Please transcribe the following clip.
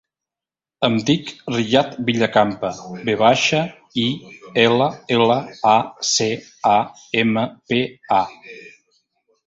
Em dic Riyad Villacampa: ve baixa, i, ela, ela, a, ce, a, ema, pe, a.